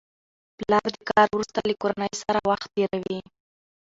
پلر د کار وروسته له کورنۍ سره وخت تېروي